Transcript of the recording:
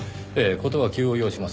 事は急を要します。